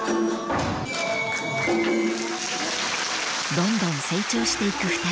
［どんどん成長していく２人］